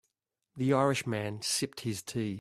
The Irish man sipped his tea.